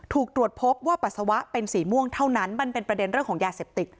ถูกตรวจพบว่าปัสสาวะเป็นสีม่วงเท่านั้นมันเป็นประเด็นเรื่องของยาเสพติด